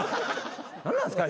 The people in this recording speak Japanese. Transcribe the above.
何なんすか？